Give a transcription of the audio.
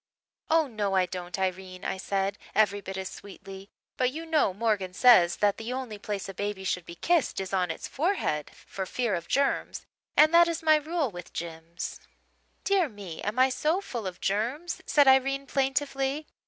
"'Oh, no, I don't, Irene,' I said every bit as sweetly, 'but you know Morgan says that the only place a baby should be kissed is on its forehead, for fear of germs, and that is my rule with Jims.' "'Dear me, am I so full of germs?' said Irene plaintively.